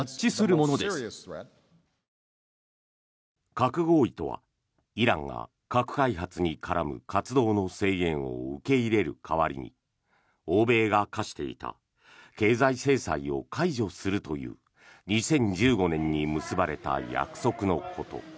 核合意とは、イランが核開発に絡む活動の制限を受け入れる代わりに欧米が科していた経済制裁を解除するという２０１５年に結ばれた約束のこと。